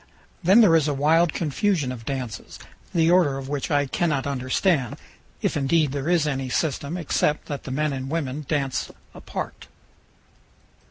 Then there is a wild confusion of dances, the order of which I cannot understand, if indeed there is any system, except that the men and women dance apart.